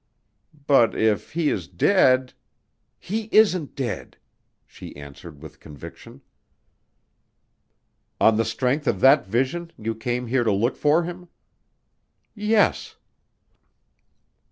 "But if he is dead " "He isn't dead," she answered with conviction. "On the strength of that vision you came here to look for him?" "Yes."